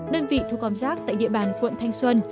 đơn vị thu gom rác tại địa bàn quận thanh xuân